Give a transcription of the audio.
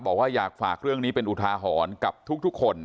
บอกว่าอยากฝากเรื่องนี้เป็นอุทาหรณ์กับทุกคน